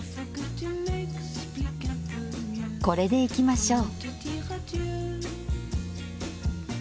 これでいきましょう。